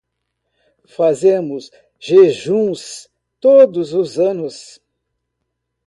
Fazemos jejuns todos os anos